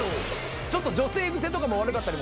ちょっと女性癖とかも悪かったりも。